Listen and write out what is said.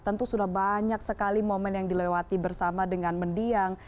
tentu sudah banyak sekali momen yang dilewati bersama dengan mendiang